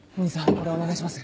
これお願いします。